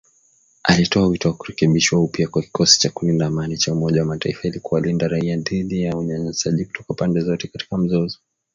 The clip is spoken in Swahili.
alitoa wito wa kurekebishwa upya kwa kikosi cha kulinda amani cha Umoja wa Mataifa ili kuwalinda raia dhidi ya unyanyasaji kutoka pande zote katika mzozo